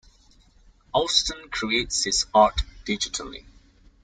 Austen creates his art digitally.